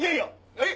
えっ！